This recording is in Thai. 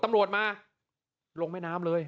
ตำรวจมาลงแม่น้ำเลย